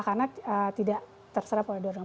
karena tidak terserap oleh dorong